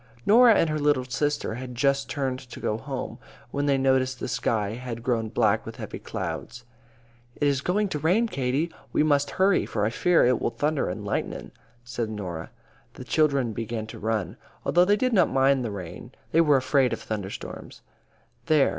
Norah and her little sister had just turned to go home, when they noticed the sky had grown black with heavy clouds. "It is going to rain, Katie. We must hurry, for I fear it will thunder and lighten," said Norah. The children began to run. Although they did not mind the rain, they were both afraid of thunder storms. "There!